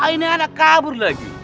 ini anak kabur lagi